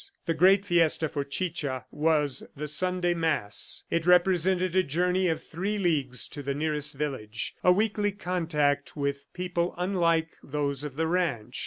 The great fiesta for Chicha was the Sunday mass. It represented a journey of three leagues to the nearest village, a weekly contact with people unlike those of the ranch.